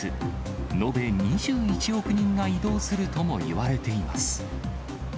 延べ２１億人が移動するともいわれています。